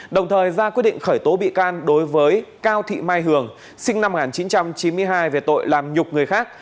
đồng thời ra quyết định khởi tố bị can đối với cao thị mai hường sinh năm một nghìn chín trăm chín mươi hai về tội làm nhục người khác